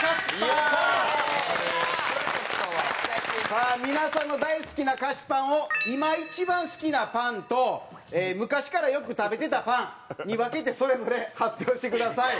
さあ皆さんの大好きな菓子パンを今一番好きなパンと昔からよく食べてたパンに分けてそれぞれ発表してください。